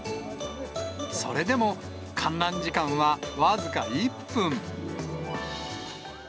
それでも、観覧時間は僅か１分。